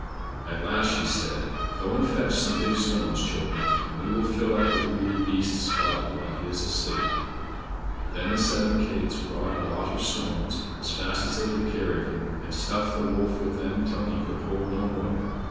At last she said: "Go and fetch some big stones, children, and we will fill up the greedy beast's body while he is asleep." Then the seven kids brought a lot of stones, as fast as they could carry them, and stuffed the wolf with them till he could hold no more.